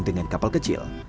dengan kapal kecil